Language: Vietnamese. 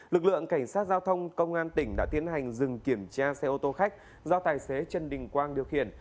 lực lượng cảnh sát giao thông công an tỉnh đã tiến hành dừng kiểm tra xe ô tô khách do tài xế trần đình quang điều khiển